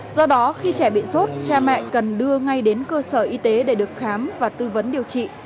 do đó khi trẻ bị sốt cha mẹ cần đưa ngay đến cơ sở y tế để được khám và tư vấn điều trị